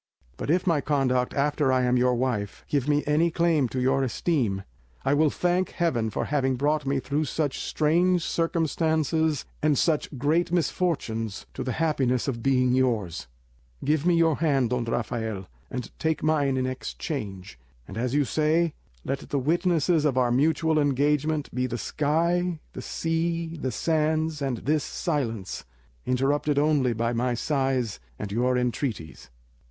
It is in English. But if my conduct after I am your wife give me any claim to your esteem, I will thank Heaven for having brought me through such strange circumstances and such great misfortunes to the happiness of being yours. Give me your hand, Don Rafael, and take mine in exchange; and, as you say, let the witnesses of our mutual engagement be the sky, the sea, the sands, and this silence, interrupted only by my sighs and your entreaties."